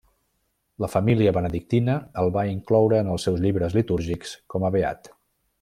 La família benedictina el va incloure en els seus llibres litúrgics com a beat.